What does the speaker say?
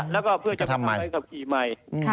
แล้วก็เพื่อทำให้กับขี้ใหม่